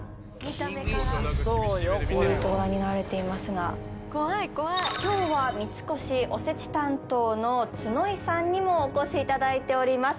じーっとご覧になられていますが今日は三越おせち担当の角井さんにもお越しいただいております